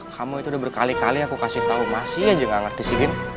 kamu itu udah berkali kali aku kasih tau masih aja nggak ngerti sih gin